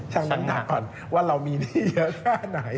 ทางนู้นถามก่อนว่าเรามีหนี้เยอะแค่ไหน